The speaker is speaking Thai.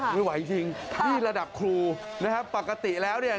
ไม่ไหวจริงนี่ระดับครูนะครับปกติแล้วเนี่ย